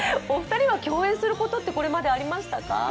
お二人は共演することって、これまでありましたか？